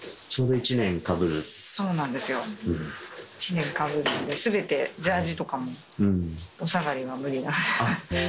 １年かぶるので、すべてジャージとかもお下がりは無理なので。